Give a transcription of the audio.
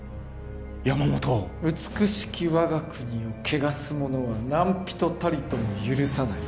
山本を美しき我が国を汚す者は何人たりとも許さない